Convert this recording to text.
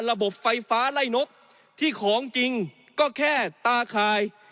ระบบไฟฟ้าไล่นกที่ของจริงก็แค่ตาคาย